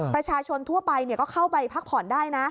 ประชาชนทั่วไปก็เข้าไปพักผ่อนได้นะ